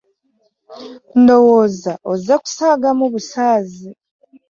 Ndowooza ozze kusaagamu busaazi.